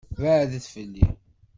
Beɛɛed fell-i.